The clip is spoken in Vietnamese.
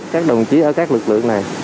các đồng chí ở các lực lượng này